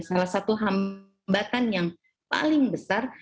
salah satu hambatan yang paling besar